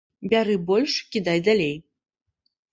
Бяры больш, кідай далей.